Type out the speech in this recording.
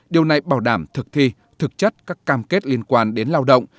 điều này bảo đảm thực thi thực chất các cam kết liên quan đến lao động